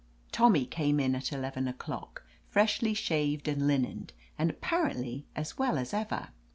,Tommy came in at eleven o'clock, freshly shaved and linened, and apparently as well as ever.